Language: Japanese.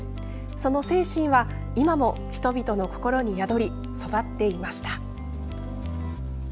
その精神は今も人々の心に宿り育っていました。